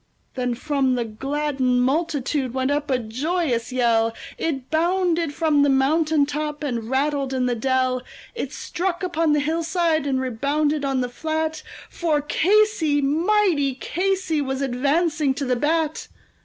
Then from the gladdened multitude went up a joyous yell, It bounded from the mountain top, and rattled in the dell, It struck upon the hillside, and rebounded on the flat; For Casey, mighty Casey, was advancing to the bat.